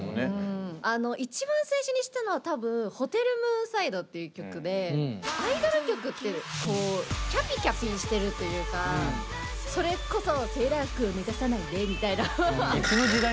あの一番最初に知ったのは多分「ＨｏｔｅｌＭｏｏｎｓｉｄｅ」っていう曲でアイドル曲ってこうキャピキャピしてるというかそれこそ「セーラー服を脱がさないで」みたいな。